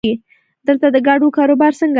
دلته د ګاډو کاروبار څنګه دی؟